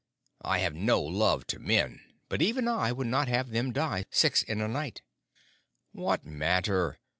I have no love to men, but even I would not have them die six in a night." "What matter?